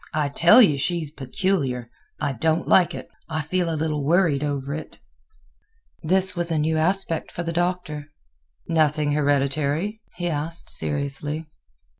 I tell you she's peculiar. I don't like it; I feel a little worried over it." This was a new aspect for the Doctor. "Nothing hereditary?" he asked, seriously.